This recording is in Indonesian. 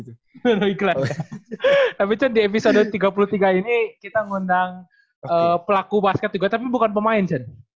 tidak taruh iklan tapi chen di episode tiga puluh tiga ini kita mengundang pelaku basket juga tapi bukan pemain chen